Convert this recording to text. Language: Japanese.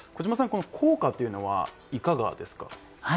この効果というのはいかがですか。